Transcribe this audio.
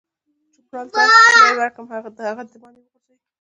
چوپړوال ته به یې ورکړم چې هغه یې دباندې وغورځوي.